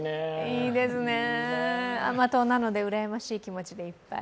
いいですね、甘党なのでうらやましい気持ちでいっぱい。